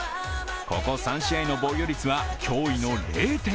ここ３試合の防御率は驚異の０．４３。